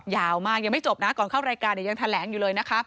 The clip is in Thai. ยาวมากยังไม่จบนะก่อนเข้ารายการยังแถลงอยู่เลยนะคะ